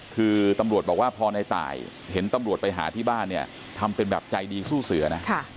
คือตำรวจบอกว่าพอในตายเห็นตำรวจไปหาที่บ้านเนี่ยทำเป็นแบบใจดีสู้เสือนะ